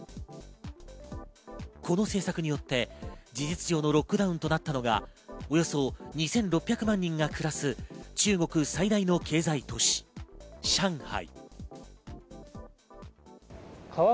この政策によって事実上のロックダウンとなったのがおよそ２６００万人が暮らす中国最大の経済都市・上海。